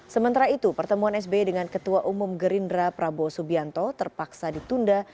sementara itu pertemuan sby dengan ketua umum gerindra prabowo subianto terpaksa ditunda